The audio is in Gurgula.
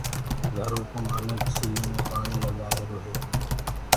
گھرو ڪو مآلڪ سليٚ مي پآڻيٚ لگآهيرو هي